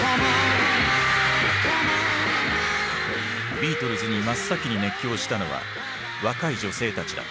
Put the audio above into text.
ビートルズに真っ先に熱狂したのは若い女性たちだった。